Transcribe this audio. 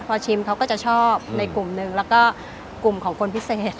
พอชิมเขาก็จะชอบในกลุ่มหนึ่งแล้วก็กลุ่มของคนพิเศษ